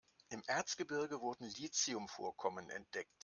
Im Erzgebirge wurden Lithium-Vorkommen entdeckt.